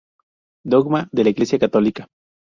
Dogma de la Iglesia católica.